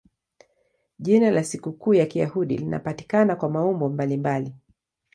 Jina la sikukuu ya Kiyahudi linapatikana kwa maumbo mbalimbali.